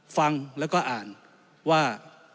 ฟังแล้วก็อ่านว่า